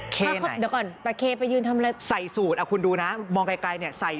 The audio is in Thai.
กฎไหวยืนทำอะไรใส่สูตรเอาคุณดูนะมองไกลเนี้ยใส่